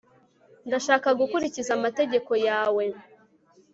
ndashaka gukurikiza amategeko yawe